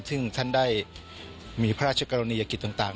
ซึ่งท่านได้มีพระราชกรณียกิจต่าง